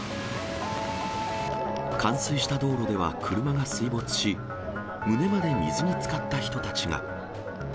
冠水した道路では車が水没し、胸まで水につかった人たちが。